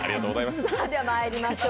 ではまいりましょう。